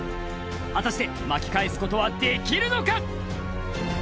果たして巻き返すことはできるのか？